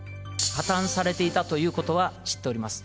破綻されていたということは知っております。